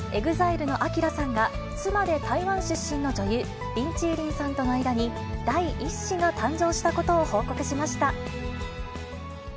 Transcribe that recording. ＥＸＩＬＥのＡＫＩＲＡさんが、妻で台湾出身の女優、リン・チーリンさんとの間に、第１子が誕生したことを報告しました。